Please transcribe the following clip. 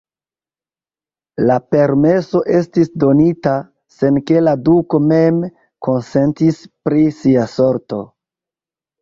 La permeso estis donita, sen ke la duko mem konsentis pri sia sorto.